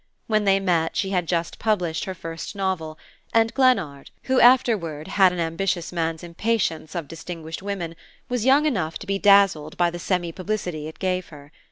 When they met she had just published her first novel, and Glennard, who afterward had an ambitious man's impatience of distinguished women, was young enough to be dazzled by the semi publicity it gave her.